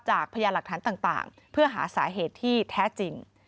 พยานหลักฐานต่างเพื่อหาสาเหตุที่แท้จริง